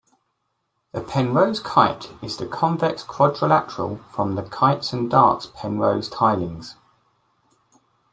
The Penrose kite is the convex quadrilateral from the kites-and-darts Penrose tilings.